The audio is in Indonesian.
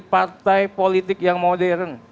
partai politik yang modern